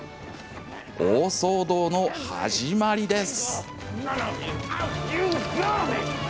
大騒動の始まりです。